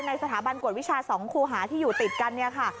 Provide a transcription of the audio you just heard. สถาบันกวดวิชา๒คูหาที่อยู่ติดกันเนี่ยค่ะ